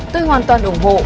tôi hoàn toàn ủng hộ